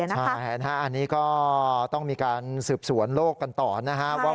ใช่นะฮะอันนี้ก็ต้องมีการสืบสวนโลกกันต่อนะครับว่า